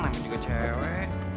nangin juga cewek